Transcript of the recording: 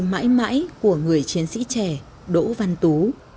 mãi mãi của người chiến sĩ trẻ đỗ văn tú